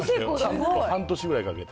半年ぐらいかけて。